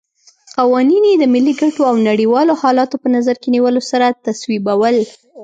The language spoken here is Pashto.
قوانین یې د ملي ګټو او نړیوالو حالاتو په نظر کې نیولو سره تصویبول.